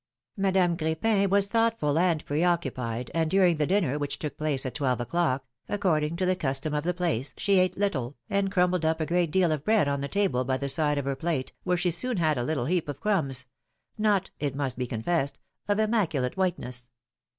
Madame Crepin was thoughtful and preoccupied, and during the dinner, which took place at twelve o'clock, according to the custom of the place, she ate little, and crumbled up a great deal of bread on the table by the side of her plate, where she soon had a little heap of crumbs, not — it must be confessed — of immaculate whiteness.